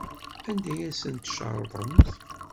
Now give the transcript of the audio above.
Anda ay asen-tcerḍemt?